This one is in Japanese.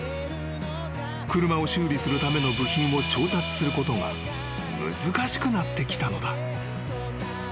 ［車を修理するための部品を調達することが難しくなってきたのだ］